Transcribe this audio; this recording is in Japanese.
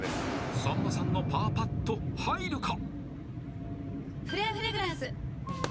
［さんまさんのパーパット入るか？］